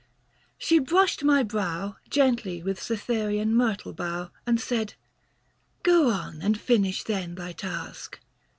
She brushed my brow, Gently with Cythereian myrtle bough, And said —" Go on and finish then thy task."